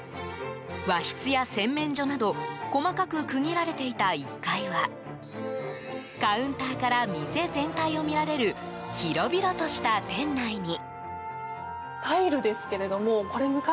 和室や洗面所など細かく区切られていた１階はカウンターから店全体を見られる広々とした店内に。